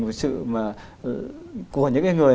một sự của những người